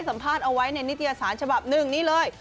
สัมภาษณ์เอาไว้ในนิตยสารฉบับหนึ่งนี่เลย